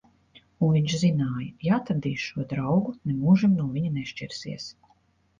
Un viņš zināja: ja atradīs šo draugu, nemūžam no viņa nešķirsies.